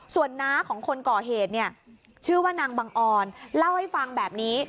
ส่วนน้าของคนก่อเหตุเนี่ยชื่อว่านางบังออนเล่าให้ฟังแบบนี้